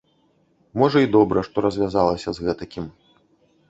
Можа і добра, што развязалася з гэтакім.